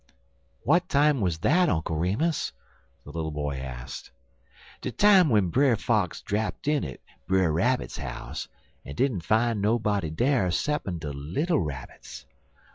"What time was that, Uncle Remus?" the little boy asked. "De time w'en Brer Fox drapt in at Brer Rabbit house, en didn't foun' nobody dar ceppin' de little Rabbits.